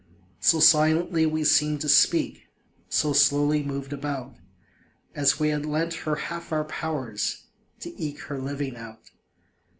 So silently we seem'd to speak, So slowly moved about, As we had lent her half our powers To eke her living out.